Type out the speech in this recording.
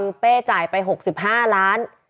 คือเป้จ่ายไป๖๕ล้าน